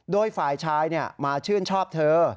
โดยฝ่ายชายมาชื่นชอบเธอ